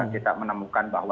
kita menemukan bahwa